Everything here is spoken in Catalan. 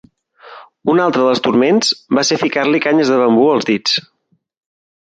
Un altre dels turments va ser ficar-li canyes de bambú als dits.